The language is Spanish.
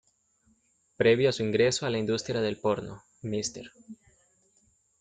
Previo a su ingreso a la industria del porno, Mr.